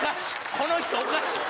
この人おかしい。